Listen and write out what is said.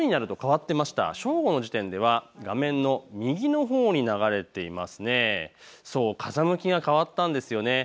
これ昼になると変わっていました正午の時点では画面の右のほうに流れています。